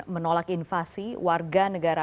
menolak invasi warga negara